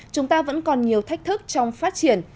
chúng ta vẫn còn nhiều thách thức trong phát triển